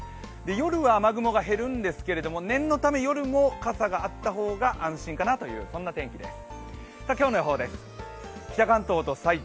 夜は雨雲が減るんですが念のため夜も傘があった方が安心かなという天気です。